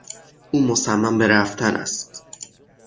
او مصمم به رفتن است.